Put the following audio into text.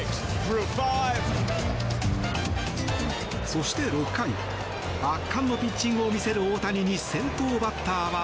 そして６回圧巻のピッチングを見せる大谷に先頭バッターは。